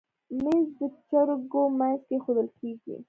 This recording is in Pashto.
مېز د جرګو منځ کې ایښودل کېږي.